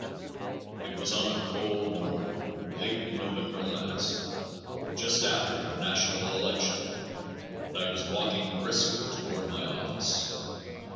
It was on a cold morning late in November last, just after the national election, and I was walking briskly toward my office.